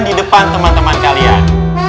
di depan teman teman kalian